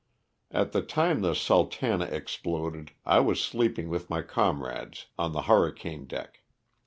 At the time the '' Sultana'' exploded I was sleeping with my comrades on the hur ricane deck.